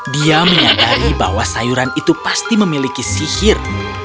dia menyadari bahwa sayuran itu pasti memiliki sihir